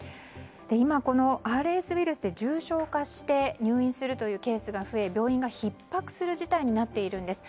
今、このＲＳウイルスで重症化して入院するケースが増え病院がひっ迫する事態になっているんです。